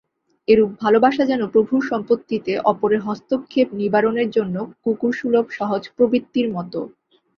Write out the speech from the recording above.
এরূপ ভালবাসা যেন প্রভুর সম্পত্তিতে অপরের হস্তক্ষেপ-নিবারণের জন্য কুকুর-সুলভ সহজ প্রবৃত্তির মত।